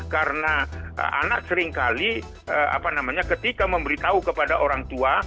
karena anak seringkali ketika memberitahu kepada orang tua